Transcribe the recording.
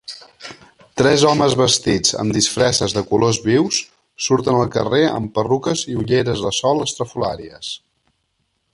Tres homes vestits amb disfresses de colors vius surten al carrer amb perruques i ulleres de sol estrafolàries.